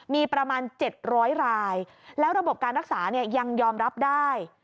มีประมาณ๗๐๐รายแล้วระบบการรักษายังยอมรับได้